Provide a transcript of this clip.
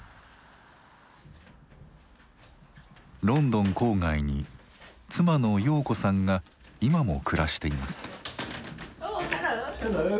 ロンドン郊外に妻の瑤子さんが今も暮らしています。